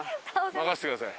任せてください。